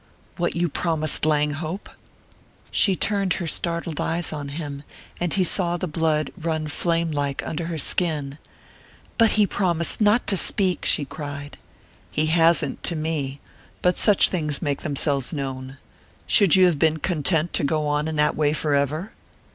"What you promised Langhope " She turned her startled eyes on him, and he saw the blood run flame like under her skin. "But he promised not to speak!" she cried. "He hasn't to me. But such things make themselves known. Should you have been content to go on in that way forever?"